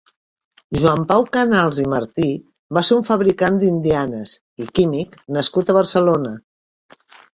Joan Pau Canals i Martí va ser un fabricant d’indianes i químic nascut a Barcelona.